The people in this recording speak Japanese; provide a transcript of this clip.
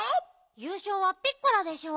ゆうしょうはピッコラでしょ？